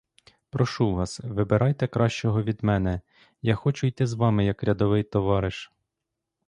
Прошу вас, вибирайте кращого від мене, я хочу йти з вами як рядовий товариш.